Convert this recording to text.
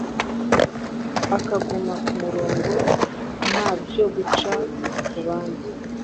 ukaguma ku murongo nta byo guca ku bandi